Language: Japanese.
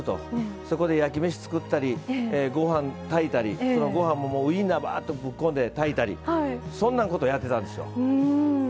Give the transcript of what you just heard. そこで焼き飯作ったりご飯炊いたりご飯もウインナーばーっとぶっこんで炊いたりそんなんことやってたんですよ。